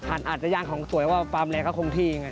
ถ่านอัดจะย่างของสวยว่าความแรงเขาคงที่อย่างนั้น